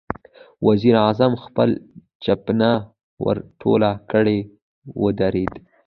وزير اعظم خپله چپنه ورټوله کړه، ودرېد.